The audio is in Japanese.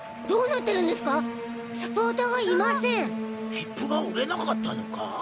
切符が売れなかったのか？